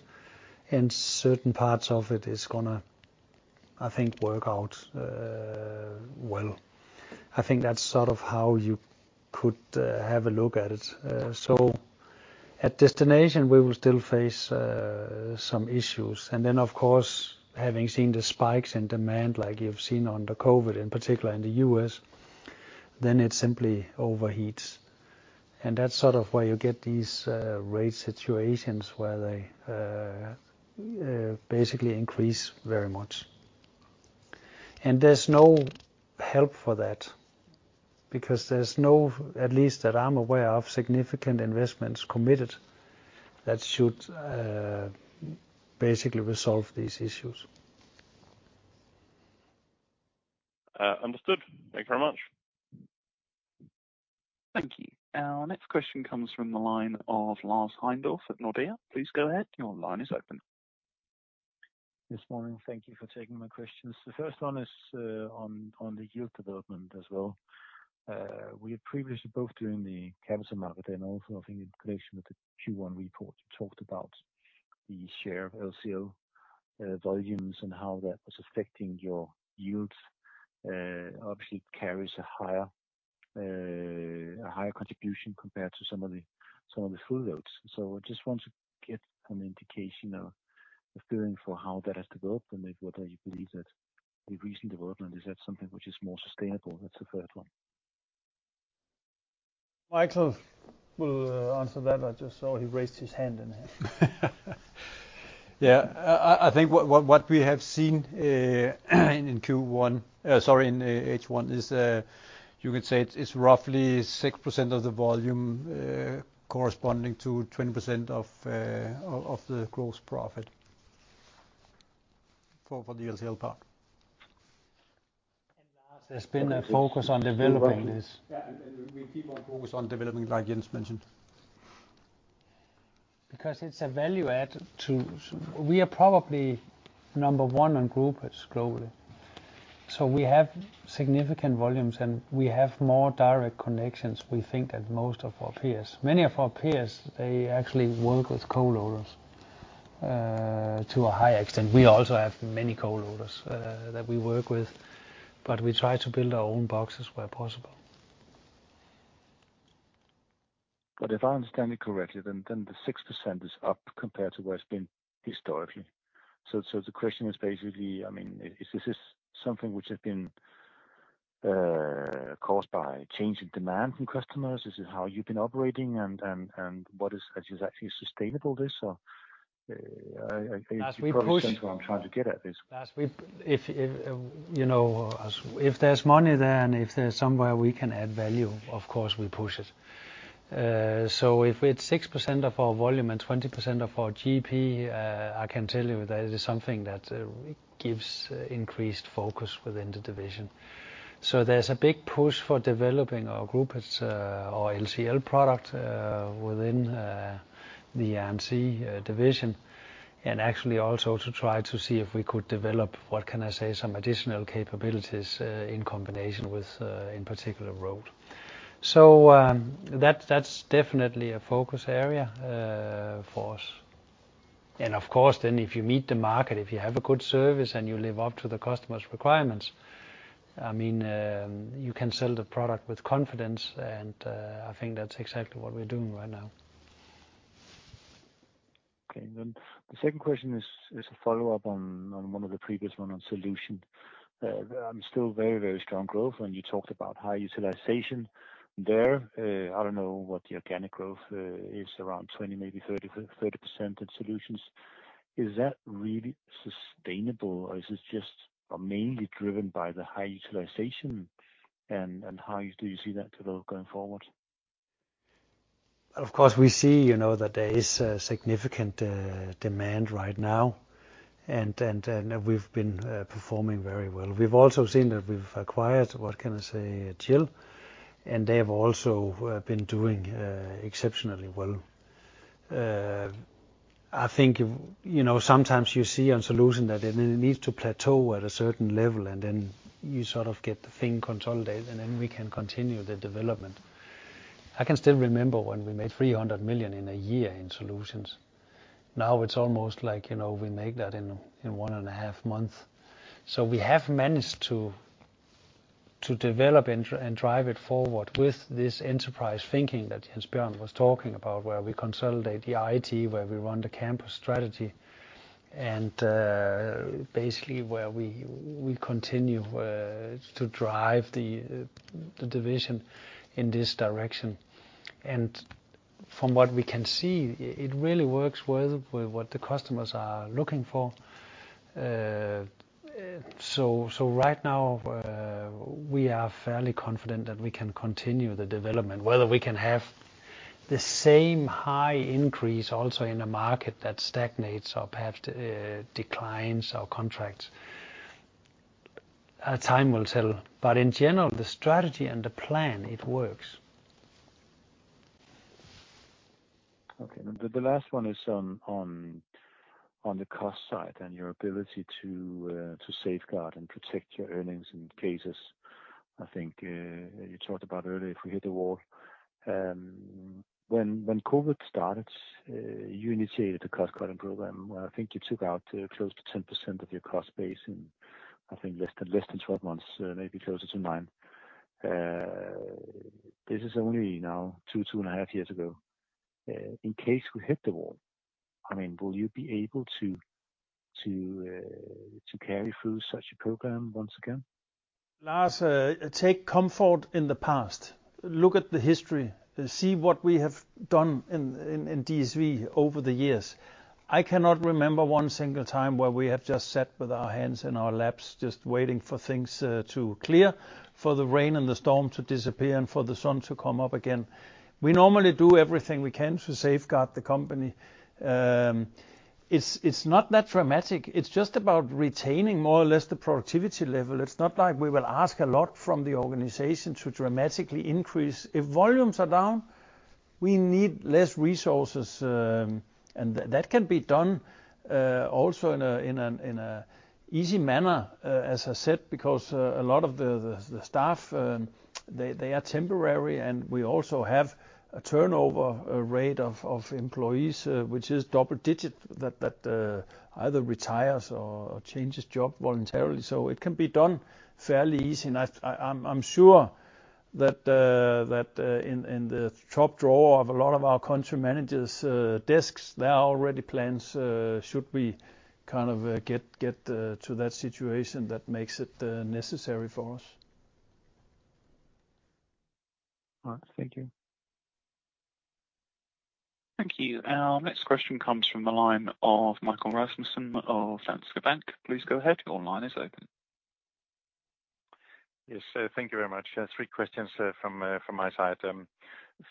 and certain parts of it is gonna, I think, work out well. I think that's sort of how you could have a look at it. At destination, we will still face some issues. Of course, having seen the spikes in demand like you've seen under Covid, in particular in the U.S., then it simply overheats. That's sort of where you get these rate situations where they basically increase very much. There's no help for that because there's no, at least that I'm aware of, significant investments committed, that should basically resolve these issues. Understood. Thank you very much. Thank you. Our next question comes from the line of Lars Heindorff at Nordea. Please go ahead. Your line is open. Yes. Morning. Thank you for taking my questions. The first one is on the yield development as well. We had previously, both during the capital market and also I think in connection with the Q1 report, you talked about the share of LCL, volumes and how that was affecting your yields. Obviously carries a higher, contribution compared to some of the full loads. So I just want to get an indication or a feeling for how that has developed and whether you believe that the recent development is that something which is more sustainable? That's the third one. Michael will answer that. I just saw he raised his hand in here. Yeah. I think what we have seen in H1 is you could say it's roughly 6% of the volume corresponding to 20% of the gross profit for the LCL part. Lars, there's been a focus on developing this. Yeah. We keep our focus on developing, like Jens mentioned. Because it's a value add. We are probably number one on groupage globally. We have significant volumes, and we have more direct connections, we think, than most of our peers. Many of our peers, they actually work with co-loaders to a high extent. We also have many co-loaders that we work with, but we try to build our own boxes where possible. If I understand it correctly, then the 6% is up compared to what's been historically. The question is basically, I mean, is this something which has been caused by change in demand from customers? Is it how you've been operating? Is this actually sustainable, this? As we push- Probably central on trying to get at this. If you know, if there's money there and if there's somewhere we can add value, of course, we push it. If it's 6% of our volume and 20% of our GP, I can tell you that it is something that gives increased focus within the division. There's a big push for developing our groupage, our LCL product, within the MC division. Actually also to try to see if we could develop, what can I say, some additional capabilities in combination with, in particular Road. That's definitely a focus area for us. And of course, then if you meet the market, if you have a good service and you live up to the customer's requirements, I mean, you can sell the product with confidence and, I think that's exactly what we're doing right now. Okay. The second question is a follow-up on one of the previous one on Solutions. Still very strong growth, and you talked about high utilization there. I don't know what the organic growth is around 20, maybe 30% in Solutions. Is that really sustainable or is this just mainly driven by the high utilization? How do you see that develop going forward? Of course, we see, you know, that there is a significant demand right now, and we've been performing very well. We've also seen that we've acquired, what can I say, GIL, and they've also been doing exceptionally well. I think, you know, sometimes you see in Solutions that it needs to plateau at a certain level, and then you sort of get the thing consolidated, and then we can continue the development. I can still remember when we made 300 million in a year in Solutions. Now it's almost like, you know, we make that in one and a half months. We have managed to, develop and drive it forward with this enterprise thinking that Jens Bjørn was talking about, where we consolidate the IT, where we run the campus strategy, and basically where we continue to drive the division in this direction. From what we can see, it really works well with what the customers are looking for. Right now, we are fairly confident that we can continue the development. Whether we can have, the same high increase also in a market that stagnates or perhaps declines our contracts, time will tell. In general, the strategy and the plan, it works. Okay. The last one is on the cost side and your ability to safeguard and protect your earnings in case, I think, you talked about earlier, if we hit the wall. When COVID started, you initiated a cost-cutting program where I think you took out close to 10% of your cost base in, I think, less than 12 months, maybe closer to nine. This is only now 2.5 years ago. In case we hit the wall, I mean, will you be able to carry through such a program once again? Lars, take comfort in the past. Look at the history. See what we have done in DSV over the years. I cannot remember one single time where we have just sat with our hands in our laps, just waiting for things to clear, for the rain and the storm to disappear and for the sun to come up again. We normally do everything we can to safeguard the company. It's not that dramatic. It's just about retaining more or less the productivity level. It's not like we will ask a lot from the organization to dramatically increase. If volumes are down, we need less resources. That can be done also in an easy manner, as I said, because a lot of the staff, they are temporary, and we also have a turnover rate of employees, which is double-digit that either retires or changes job voluntarily. It can be done fairly easy. I'm sure that in the top drawer of a lot of our country managers' desks, there are already plans should we kind of get to that situation that makes it necessary for us. All right. Thank you. Thank you. Our next question comes from the line of Michael Rasmussen of Danske Bank. Please go ahead, your line is open. Yes, thank you very much. Three questions from my side.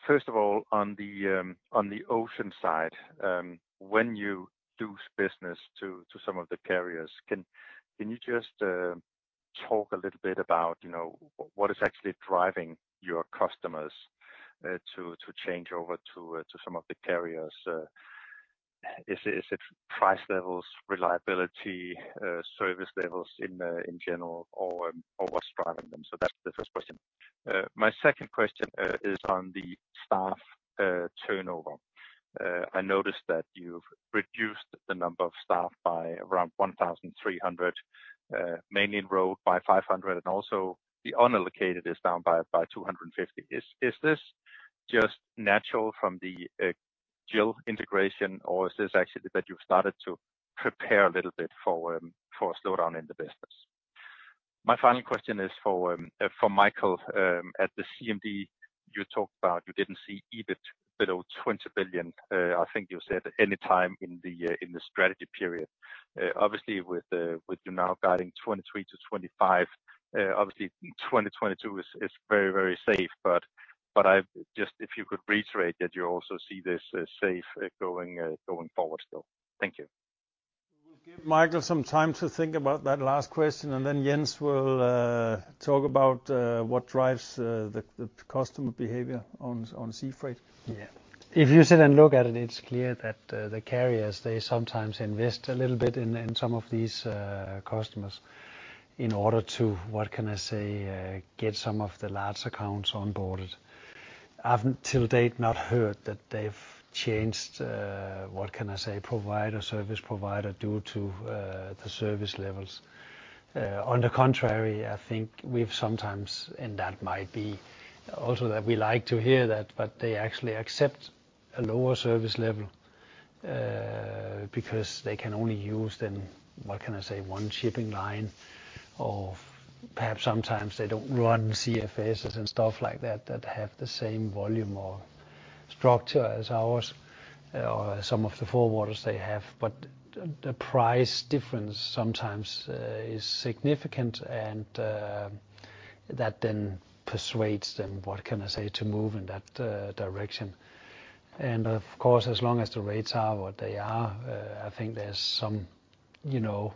First of all, on the ocean side, when you lose business to some of the carriers, can you just talk a little bit about, you know, what is actually driving your customers to change over to some of the carriers? Is it price levels, reliability, service levels in general or what's driving them? That's the first question. My second question is on the staff turnover. I noticed that you've reduced the number of staff by around 1,300, mainly in Road by 500, and also the unallocated is down by 250. Is this just natural from the GIL integration, or is this actually that you've started to prepare a little bit for a slowdown in the business? My final question is for Michael. At the CMD, you talked about you didn't see EBIT below 20 billion, I think you said any time in the strategy period. Obviously with you now guiding 2023-2025, obviously 2022 is very, very safe, but I've just if you could reiterate that you also see this as safe going forward still. Thank you. We'll give Michael some time to think about that last question, and then Jens will talk about what drives the customer behavior on sea freight. Yeah. If you sit and look at it's clear that the carriers, they sometimes invest a little bit in some of these customers in order to, what can I say, get some of the large accounts on board. I've to date not heard that they've changed, what can I say, provider, service provider, due to the service levels. On the contrary, I think we've sometimes, and that might be also that we like to hear that, but they actually accept a lower service level, because they can only use them, what can I say, one shipping line or perhaps sometimes they don't run CFSs and stuff like that have the same volume or structure as ours, some of the forwarders they have. The price difference sometimes is significant and that then persuades them, what can I say, to move in that direction. Of course, as long as the rates are what they are, I think there's some You know,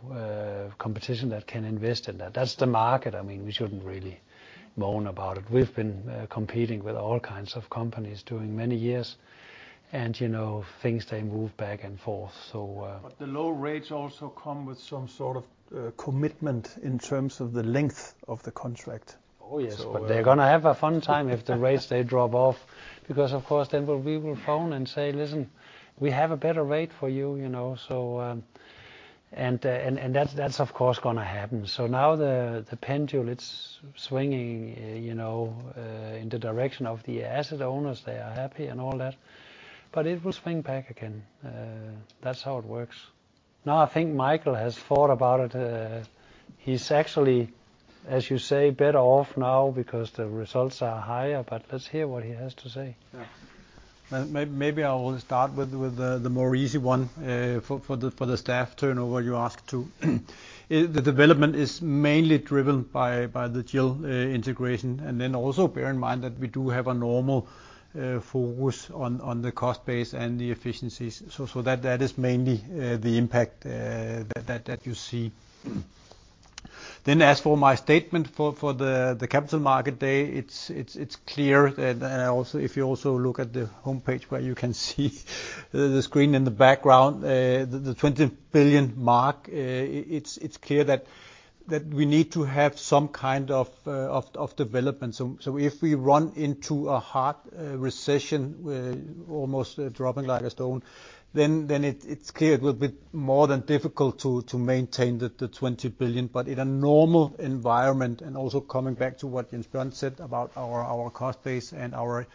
competition that can invest in that. That's the market. I mean, we shouldn't really moan about it. We've been competing with all kinds of companies during many years. You know, things they move back and forth so. The low rates also come with some sort of commitment in terms of the length of the contract. Oh, yes. So- They're gonna have a fun time if the rates they drop off. Because of course, then we will phone and say, "Listen, we have a better rate for you know." And that's of course gonna happen. Now the pendulum it's swinging in the direction of the asset owners. They are happy and all that. It will swing back again. That's how it works. Now, I think Michael has thought about it, he's actually, as you say, better off now because the results are higher. Let's hear what he has to say. Yeah. Maybe I will start with the easier one. For the staff turnover you asked too. The development is mainly driven by the GIL integration. Then also bear in mind that we do have a normal focus on the cost base and the efficiencies. That is mainly the impact that you see. As for my statement for the Capital Markets Day, it's clear that, and also if you look at the homepage where you can see the screen in the background, the 20 billion mark. It's clear that we need to have some kind of development. If we run into a hard recession almost dropping like a stone, then it is clear it will be more than difficult to maintain the 20 billion. In a normal environment, and also coming back to what Jens Bjørn said about our cost base and our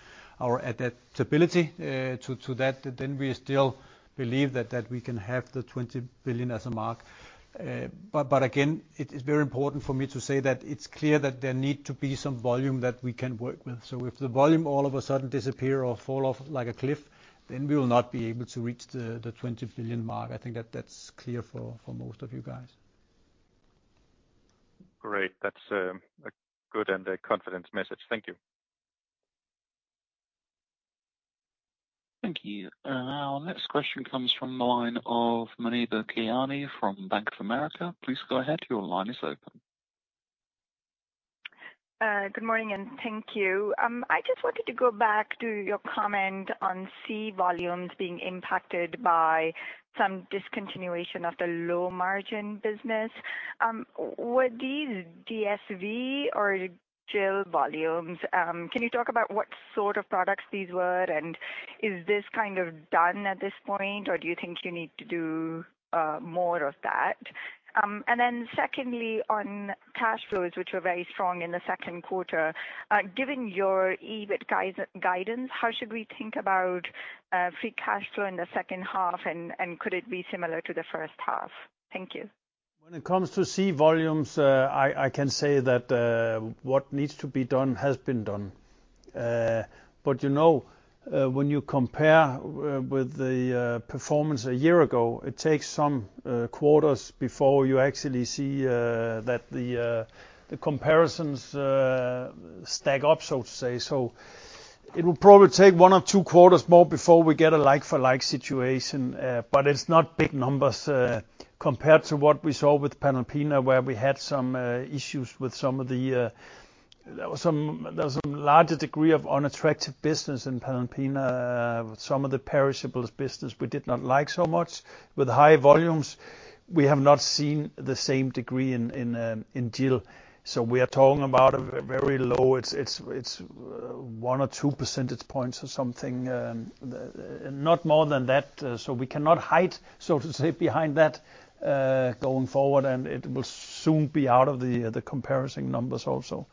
adaptability to that, then we still believe that we can have the 20 billion as a mark. Again, it is very important for me to say that it is clear that there need to be some volume that we can work with. If the volume all of a sudden disappear or fall off like a cliff, then we will not be able to reach the 20 billion mark. I think that that is clear for most of you guys. Great. That's a good and a confident message. Thank you. Thank you. Our next question comes from the line of Muneeba Kayani from Bank of America. Please go ahead. Your line is open. Good morning, and thank you. I just wanted to go back to your comment on sea volumes being impacted by, some discontinuation of the low margin business. Were these DSV or GIL volumes? Can you talk about what sort of products these were, and is this kind of done at this point, or do you think you need to do more of that? Then secondly, on cash flows, which were very strong in the second quarter, given your EBIT guidance, how should we think about free cash flow in the second half, and could it be similar to the first half? Thank you. When it comes to sea volumes, I can say that what needs to be done has been done. You know, when you compare with the performance a year ago, it takes some quarters before you actually see, that the comparisons stack up, so to say. It will probably take one or two quarters more before we get a like for like situation. It's not big numbers compared to what we saw with Panalpina, where we had some issues with some of the. There was some larger degree of unattractive business in Panalpina. Some of the perishables business we did not like so much. With high volumes, we have not seen the same degree in GIL. We are talking about a very low one or two percentage points or something, not more than that. We cannot hide, so to say, behind that, going forward, and it will soon be out of the comparison numbers also.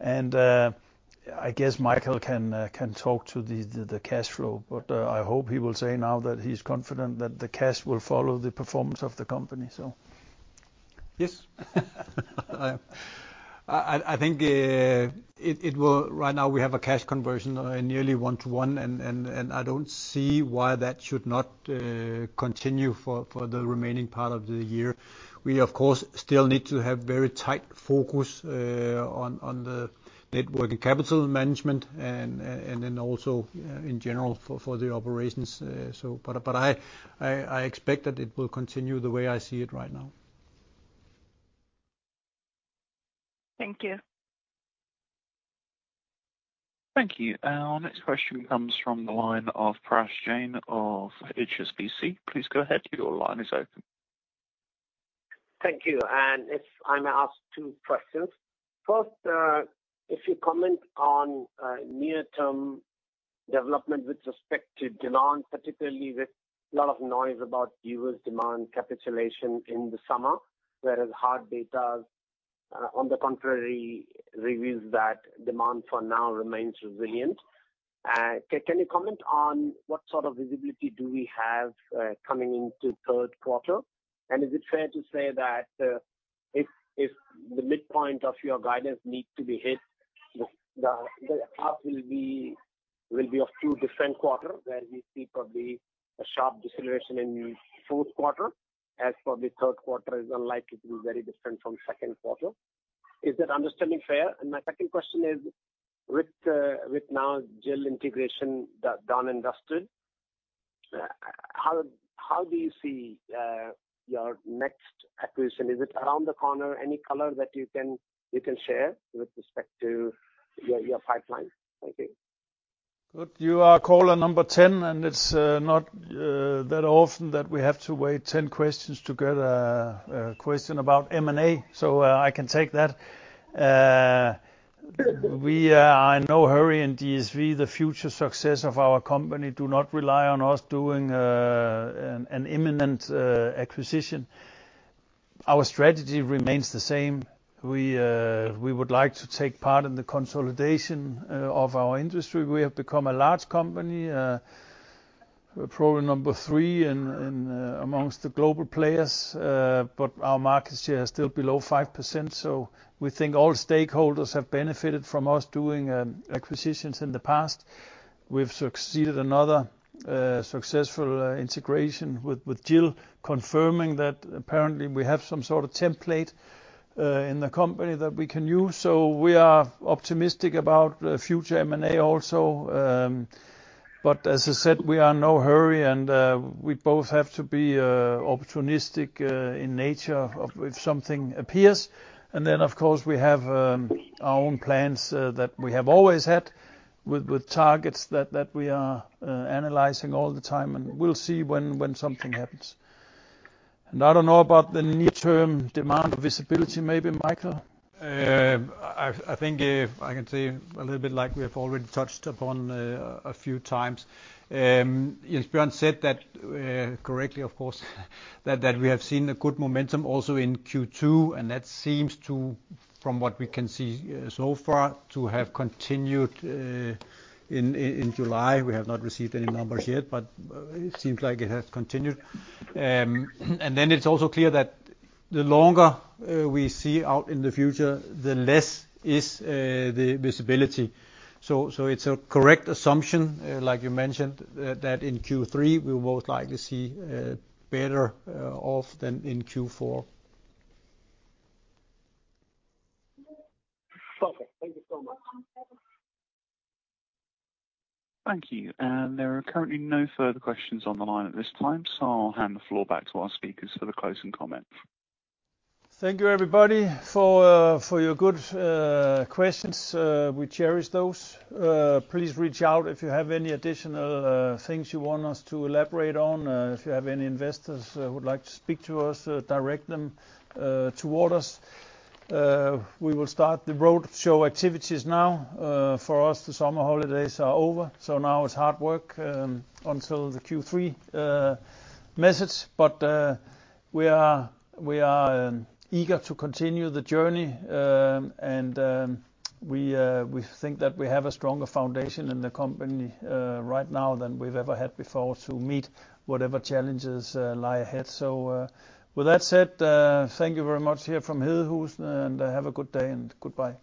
I guess Michael can talk to the cash flow. I hope he will say now that he's confident that the cash will follow the performance of the company, so. Yes. I think it will. Right now we have a cash conversion of nearly one to one, and I don't see why that should not continue for the remaining part of the year. We of course still need to have very tight focus, on the net working capital management and then also in general for the operations. I expect that it will continue the way I see it right now. Thank you. Thank you. Our next question comes from the line of Parash Jain of HSBC. Please go ahead. Your line is open. Thank you, if I may ask two questions. First, if you comment on near-term development with respect to demand, particularly with lot of noise about U.S. demand capitulation in the summer, whereas hard data on the contrary reveals that, demand for now remains resilient. Can you comment on what sort of visibility do we have coming into third quarter? And is it fair to say that if the midpoint of your guidance needs to be hit, the half will be of two different quarters, where we see probably a sharp deceleration in fourth quarter, as probably third quarter is unlikely to be very different from second quarter? Is that understanding fair? My second question is, with now GIL integration done and dusted, how do you see your next acquisition? Is it around the corner? Any color that you can share with respect to your pipeline? Thank you. Good. You are caller number 10, and it's not that often that we have to wait 10 questions to get a question about M&A, so I can take that. We are in no hurry in DSV. The future success of our company do not rely on us doing an imminent acquisition. Our strategy remains the same. We would like to take part in the consolidation of our industry. We have become a large company, probably number three among the global players. Our market share is still below 5%, so we think all stakeholders have benefited from us doing acquisitions in the past. We've succeeded in another successful integration with GIL, confirming that apparently we have some sort of template, in the company that we can use. We are optimistic about future M&A also. As I said, we are in no hurry and we both have to be opportunistic in the nature of if something appears. Of course, we have our own plans that we have always had, with targets that we are analyzing all the time, and we'll see when something happens. I don't know about the near-term demand visibility. Maybe Michael? I think if I can say a little bit like we have already touched upon a few times. As Bjørn said that correctly, of course, that we have seen a good momentum also in Q2, and that seems to, from what we can see so far, to have continued in July. We have not received any numbers yet, but it seems like it has continued. It's also clear that the longer we see out in the future, the less is the visibility. It's a correct assumption like you mentioned that in Q3 we will most likely see better off than in Q4. Okay. Thank you so much. Thank you. There are currently no further questions on the line at this time, so I'll hand the floor back to our speakers for the closing comment. Thank you, everybody, for your good questions. We cherish those. Please reach out if you have any additional things you want us to elaborate on. If you have any investors who would like to speak to us, direct them toward us. We will start the roadshow activities now. For us, the summer holidays are over, so now it's hard work until the Q3 message. We are eager to continue the journey. We think that we have a stronger foundation in the company right now than we've ever had before to meet whatever challenges lie ahead. With that said, thank you very much here from Hedehusene, and have a good day, and goodbye.